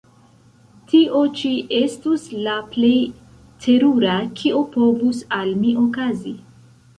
tio ĉi estus la plej terura, kio povus al mi okazi.